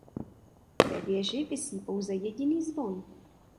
Ve věži visí pouze jediný zvon.